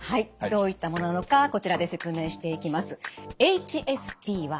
どういったものなのかこちらで説明していきます。